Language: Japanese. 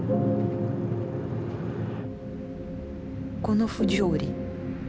この不条理。